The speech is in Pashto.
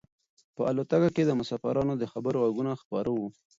په الوتکه کې د مسافرانو د خبرو غږونه خپاره وو.